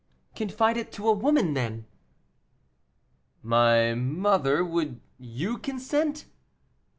"Confide it to a woman, then." "My mother, would you consent?"